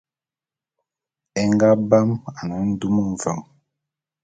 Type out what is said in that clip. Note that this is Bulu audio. É nga bam ane ndum mveng.